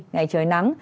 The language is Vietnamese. ngày trời nắng